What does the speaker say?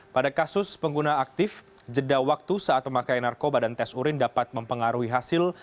pada kasus pengguna aktif jeda waktu saat pemakaian narkoba dan tes urin dapat mempengaruhi hasil